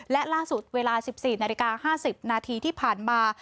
และล่าสุดเวลา๑๔นาฬิกา๕๐นาทีที่ผ่านมา